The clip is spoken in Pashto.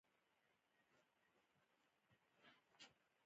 د سمنګان بادام څه ډول دي؟